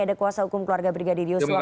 ada kuasa hukum keluarga brigadir yosua